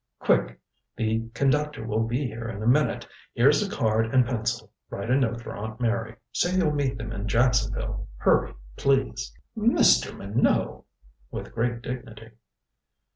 "Quick. The conductor will be here in a minute. Here's a card and pencil write a note for Aunt Mary. Say you'll meet them in Jacksonville! Hurry, please!" "Mr. Minot!" With great dignity.